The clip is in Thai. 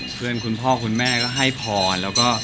เพื่อนคุณพ่อคุณแม่ก็ให้พร